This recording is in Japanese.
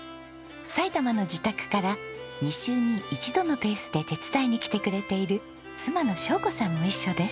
埼玉の自宅から２週に１度のペースで手伝いに来てくれている妻の晶子さんも一緒です。